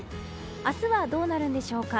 明日はどうなるんでしょうか。